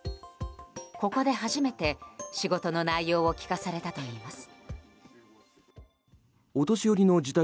ここで初めて仕事の内容を聞かされたといいます。